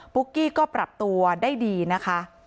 ุ๊กกี้ก็ปรับตัวได้ดีนะคะ